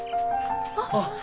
あっ。